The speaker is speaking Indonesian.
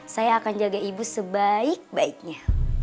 saya akan jaga ibu sebaik baiknya